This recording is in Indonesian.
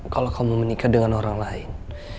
kalau kamu menikah dengan orang lain